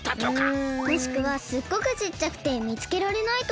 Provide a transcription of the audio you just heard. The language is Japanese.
うん。もしくはすっごくちっちゃくてみつけられないとか。